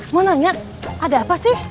mau nanya ada apa sih